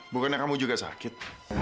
bukannya kamu juga sakit